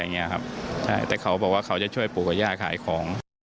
อย่างนี้ครับแต่เขาบอกว่าเขาจะช่วยปลูกกับย่าขายของ